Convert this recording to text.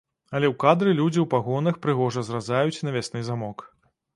Але ў кадры людзі ў пагонах прыгожа зразаюць навясны замок.